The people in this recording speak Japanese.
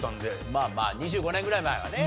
まあまあ２５年ぐらい前はね。